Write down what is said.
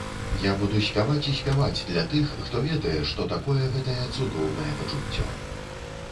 Я буду спяваць і спяваць для тых, хто ведае што такое гэтае цудоўнае пачуццё!